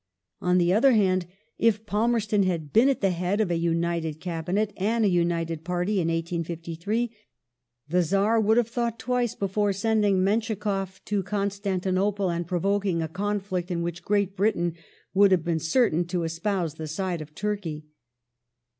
On the other hand, if Palmerston had been at the head of a united Cabinet and a united party in 1853, the Czar would have thought twice before sending MenschikofF to Constantinople and provoking a conflict in which Great Britain would have been certain to espouse the side of Turkey.